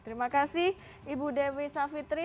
terima kasih ibu dewi safitri